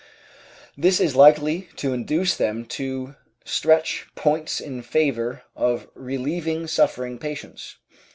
This is likely to induce them to stretch points in favor of relieving suffering patients.